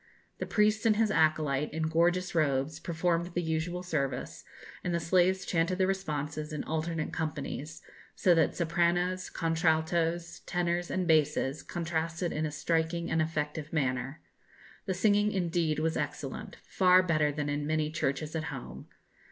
The priest and his acolyte, in gorgeous robes, performed the usual service, and the slaves chanted the responses in alternate companies, so that sopranos, contraltos, tenors, and basses, contrasted in a striking and effective manner. The singing, indeed, was excellent; far better than in many churches at home.